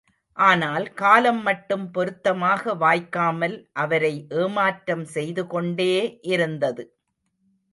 ஆனால் காலம் மட்டும் பொருத்தமாக வாய்க்காமல் அவரை ஏமாற்றம் செய்துகொண்டே இருந்தது.